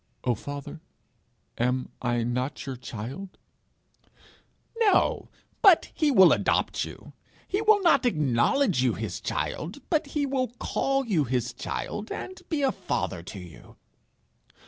"O Father, am I not your child?"' 'No; but he will adopt you. He will not acknowledge you his child, but he will call you his child, and be a father to you.'